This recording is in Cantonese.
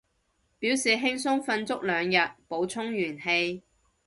表示輕鬆瞓足兩日，補充元氣